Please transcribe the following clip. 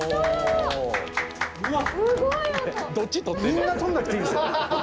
みんな撮んなくていいですよ。